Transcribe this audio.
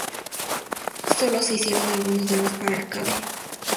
Solo se hicieron algunos demos para arcade.